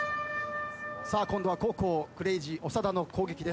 さあ今度は後攻クレイジー長田の攻撃です。